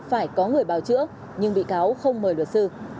phải có người báo chữa nhưng bị cáo không mời luật sư